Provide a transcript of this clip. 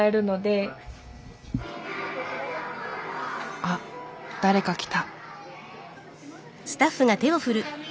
あっ誰か来た。